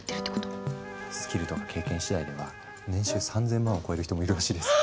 スキルとか経験次第では年収３，０００万を超える人もいるらしいです。